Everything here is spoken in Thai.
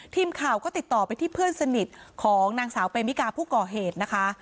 ทีมข่าวก็ติดต่อไปที่เพื่อนสนิทของนางสาวเปมิกาผู้ก่อเหตุนะคะ